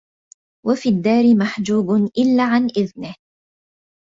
وَفِي الدَّارِ مَحْجُوبٌ إلَّا عَنْ إذْنِهِ